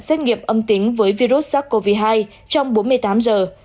xét nghiệm âm tính với virus sars cov hai trong bốn mươi tám giờ